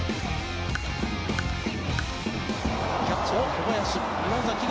キャッチャー、小林。